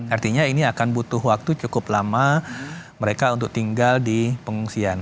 artinya ini akan butuh waktu cukup lama mereka untuk tinggal di pengungsian